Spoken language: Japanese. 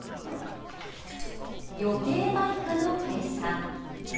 「予定売価の計算」。